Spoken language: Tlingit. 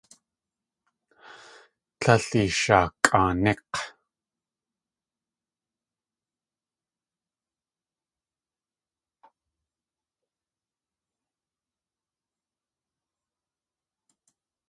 Líl ishakʼaaník̲!